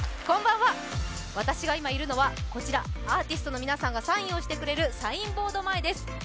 こんばんは私が今いるのはこちらアーティストの皆さんがサインをしてくれるサインボード前です